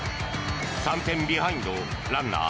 ３点ビハインドランナー